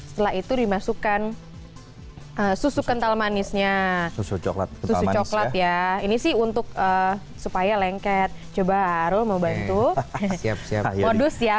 susu kental manisnya susu coklat coklat ya ini sih untuk supaya lengket coba aro mau bantu modus ya